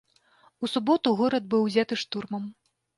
У суботу горад быў узяты штурмам.